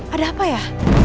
ada apa ya